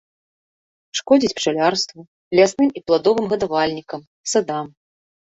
Шкодзяць пчалярству, лясным і пладовым гадавальнікам, садам.